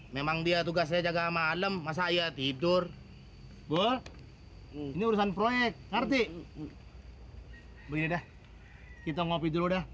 memang dia tugasnya jaga malam masa ia tidur gua ini urusan proyek arti arti kita ngopi dulu dah